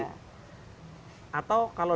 iya atau kalau